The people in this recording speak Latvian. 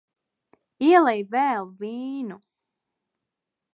Ielej vēl vīnu.